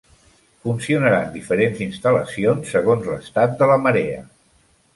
Funcionaran diferents instal·lacions segons l'estat de la marea.